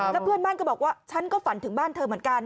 แล้วเพื่อนบ้านก็บอกว่าฉันก็ฝันถึงบ้านเธอเหมือนกัน